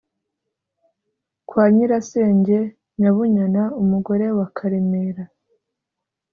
kwa nyirasenge nyabunyana, umugore wa karemera